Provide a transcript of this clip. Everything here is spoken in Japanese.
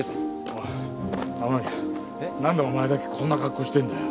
おい雨宮なんでお前だけこんな格好してんだよ？